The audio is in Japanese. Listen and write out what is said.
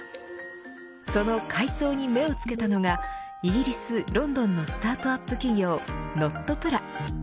その海藻に目をつけたのがイギリス・ロンドンのスタートアップ企業Ｎｏｔｐｌａ。